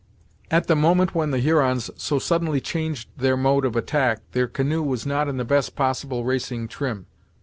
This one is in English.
At the moment when the Hurons so suddenly changed their mode of attack their canoe was not in the best possible racing trim.